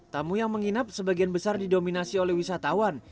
tamu yang menginap sebagian besar didominasi oleh wisatawan